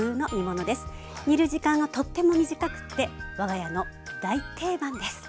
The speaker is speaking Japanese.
煮る時間がとっても短くって我が家の大定番です。